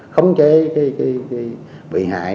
khống chế cái bị hại